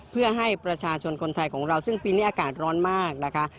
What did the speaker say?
เพื่อให้ประชาชนคนไทยของเราซึ่งปีนี้อากาศร้อนมากนะคะ